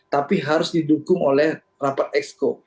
tapi harus didukung oleh rapat exco